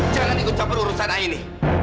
jangan ikut ikut campur urusan aini